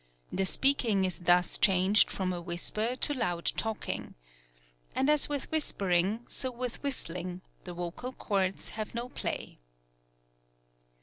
The speaking is thus changed from a whisper to loud talking. And as with whisper ing so with whistling — the vocal cords have no play.